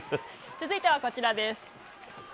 続いてはこちらです。